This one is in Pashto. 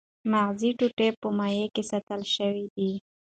مغزي ټوټې په مایع کې ساتل شوې دي.